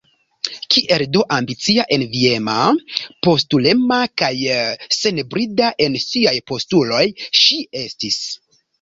Kiel do ambicia, enviema, postulema kaj senbrida en siaj postuloj ŝi estis!